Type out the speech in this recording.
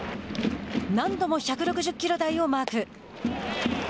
何度も１６０キロ台をマーク。